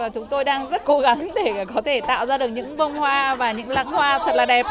chúng tôi đang rất cố gắng để có thể tạo ra được những bông hoa và những lãng hoa thật là đẹp